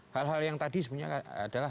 hal hal yang tadi sebenarnya adalah